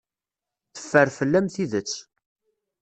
Teffer fell-am tidet.